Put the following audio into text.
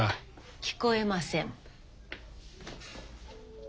聞こえません。